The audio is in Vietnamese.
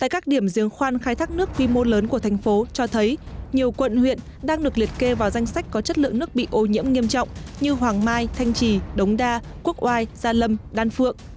các nạn nhân đang được liệt kê vào danh sách có chất lượng nước bị ô nhiễm nghiêm trọng như hoàng mai thanh trì đống đa quốc oai gia lâm đan phượng